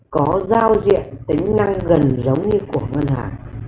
có giao diện tính năng gần giống như của ngân hàng